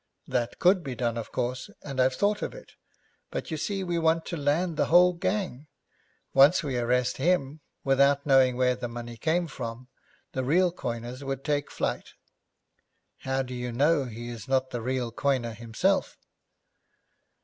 'That could be done, of course, and I've thought of it, but you see, we want to land the whole gang. Once we arrested him, without knowing where the money came from, the real coiners would take flight.' 'How do you know he is not the real coiner himself?'